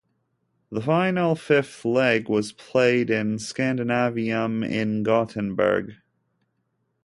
The final fifth leg was played in Scandinavium in Gothenburg.